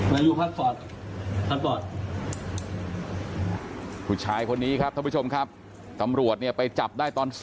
คุณผู้ชายคนนี้ครับท่านผู้ชมครับตำรวจไปจับได้ตอน